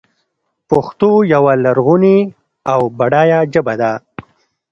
پښتو یوه لرغونې او بډایه ژبه ده.